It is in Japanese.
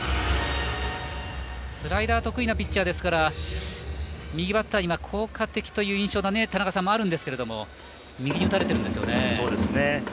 スライダーが得意なピッチャーですから右バッターに効果的だという印象もあるんですが右に打たれてるんですよね。